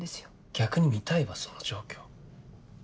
逆に見たいわその状況。